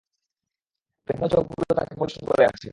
প্রেমময় চোখগুলো তাকে পরিবেষ্টন করে আছে।